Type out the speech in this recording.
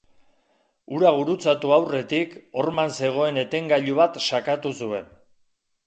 Hura gurutzatu aurretik horman zegoen etengailu bat sakatu zuen.